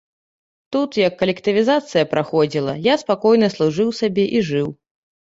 Тут, як калектывізацыя праходзіла, я спакойна служыў сабе і жыў.